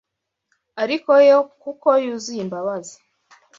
Ariko yo kuko yuzuye imbabazi